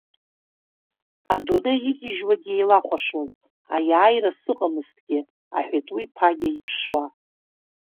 Адунеи игьежьуагьы еилахәашон, Аиааира сыҟамызҭгьы, — аҳәеит уи, ԥагьа иԥшуа.